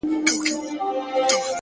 د يوسفي ښکلا چيرمنې نوره مه راگوره-